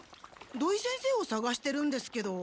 土井先生をさがしてるんですけど。